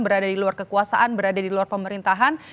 berada di luar kekuasaan berada di luar pemerintahan